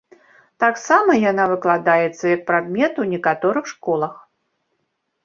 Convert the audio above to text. Таксама яна выкладаецца як прадмет у некаторых школах.